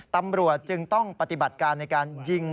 ตำรวจจึงต้องปฏิบัติการในการยิง